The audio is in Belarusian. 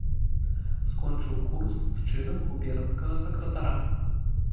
Скончыў курс з чынам губернскага сакратара.